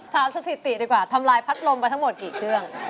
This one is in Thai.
สถิติดีกว่าทำลายพัดลมไปทั้งหมดกี่เครื่อง